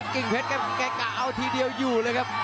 กิ่งเพชรครับแกกะเอาทีเดียวอยู่เลยครับ